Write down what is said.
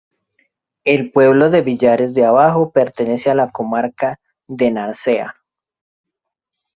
El pueblo de Villares de Abajo pertenece a la comarca de Narcea.